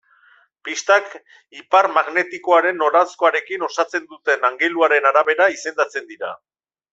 Pistak ipar magnetikoaren noranzkoarekin osatzen duten angeluaren arabera izendatzen dira.